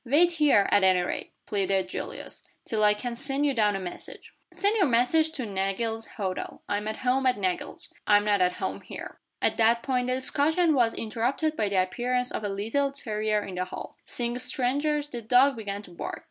"Wait here, at any rate," pleaded Julius, "till I can send you down a message." "Send your message to Nagle's Hotel. I'm at home at Nagle's I'm not at home here." At that point the discussion was interrupted by the appearance of a little terrier in the hall. Seeing strangers, the dog began to bark.